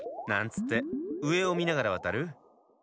なんつってうえをみながらわたる？